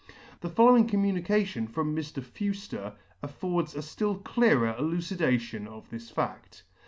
The following communication from Mr. Fewfter affords a ftill clearer elucidation of this faff.